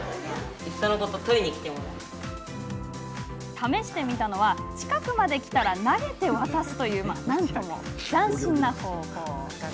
試してみたのは近くまで来たら投げて渡すというなんとも斬新な方法。